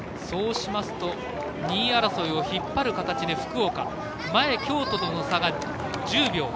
そうしますと２位争いを引っ張る形で福岡、前の京都との差が１０秒。